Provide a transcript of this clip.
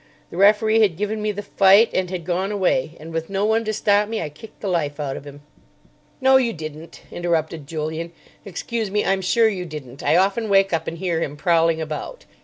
The referee had given me the fight and had gone away; and, with no one to stop me, I kicked the life out of him." "No, you didn't," interrupted Julian. "Excuse me, I'm sure you didn't. I often wake up and hear him prowling about."